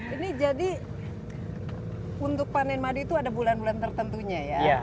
ini jadi untuk panen madu itu ada bulan bulan tertentunya ya